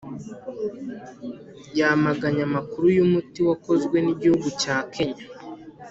yamaganye amakuru y’umuti wakozwe n’igihugu cya Kenya.